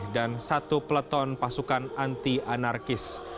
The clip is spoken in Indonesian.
dan satu peleton pasukan anti anarkis